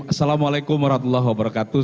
assalamualaikum warahmatullahi wabarakatuh